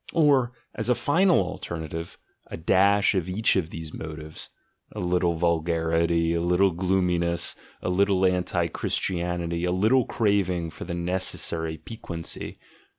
or, as a final alternative. a dash of each of these motives; — a little vulgarity, a little gloominess, a little anti Christianity, a little craving for the necessary piquancy?